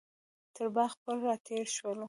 تر باغ پل راتېر شولو.